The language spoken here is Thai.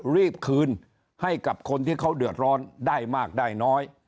รีบคืนให้กับคนที่เขาเดือดร้อนได้มากได้น้อย